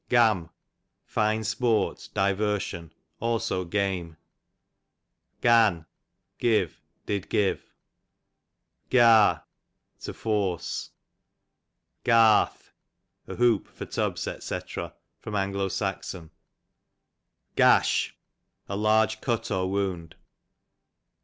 Gam, fine sport, diversion, also game. Gan, give, did give. Gar, .to force. Garth, a hoop for tubs, dc. A. S. Gash, a large cut or wound.